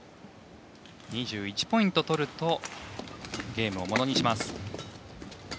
２１ポイント取るとゲームをものにします。